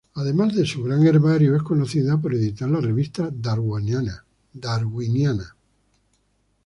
Además de su gran herbario, es conocido por editar la revista "Darwiniana".